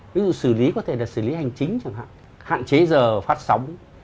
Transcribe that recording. ví dụ xử lý có thể là xử lý hành chính chẳng hạn hạn chế giờ phát sóng